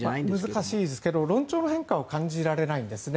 難しいですが論調の変化を感じられないんですね。